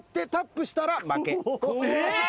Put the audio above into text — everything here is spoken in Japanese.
えっ！？